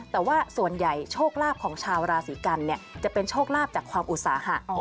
แต่ว่าส่วนใหญ่โชคลาภของชาวราศีกันจะเป็นโชคลาภจากความอุตสาหะ